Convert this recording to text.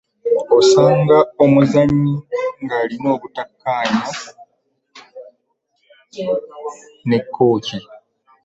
Osanga omuzannyi nga alina obutakaanya ne kooci.